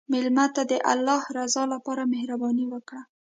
مېلمه ته د الله رضا لپاره مهرباني وکړه.